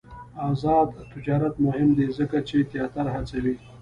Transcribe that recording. آزاد تجارت مهم دی ځکه چې تیاتر هڅوي.